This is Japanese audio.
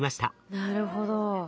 なるほど。